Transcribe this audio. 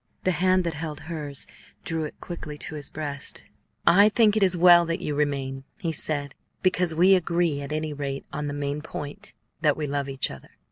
The hand that held hers drew it quickly to his breast. "I think it is well that you remain," he said, "because we agree at any rate on the main point, that we love each other.